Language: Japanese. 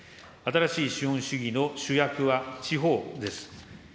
新しい資本主義の主役は地方です。